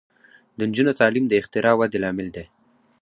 د نجونو تعلیم د اختراع ودې لامل دی.